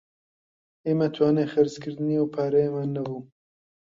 ئێمە توانای خەرچکردنی ئەو پارەیەمان نەبوو